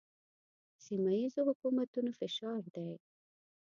سیمه ییزو حکومتونو فشار دی.